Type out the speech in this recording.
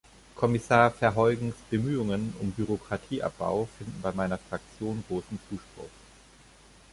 Kommissar Verheugens Bemühungen um Bürokratieabbau finden bei meiner Fraktion großen Zuspruch.